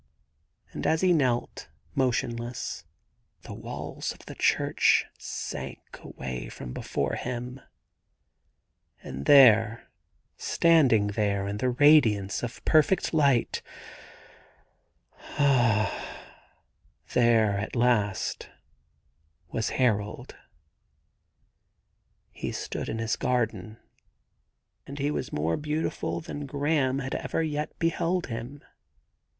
And as he knelt, motionless, the walls of the church sank away from before him, and there — standing there in that radiance of perfect light — ah, there, at last, was Harold 1 He stood in his garden, and he was more beautiful 100 THE GARDEN GOD than Graham had ever yet beheld hhn